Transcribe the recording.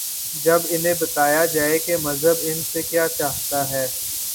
جب انہیں بتایا جائے کہ مذہب ان سے کیا چاہتا ہے۔